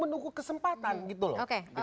menunggu kesempatan bagaimana